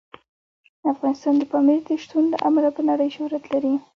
افغانستان د پامیر د شتون له امله په نړۍ شهرت لري.